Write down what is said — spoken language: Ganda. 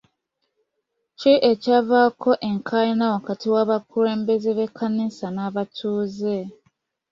Ki ekyavaako enkaayana wakati w'abakulembeze b'ekkanisa n'abatuuze?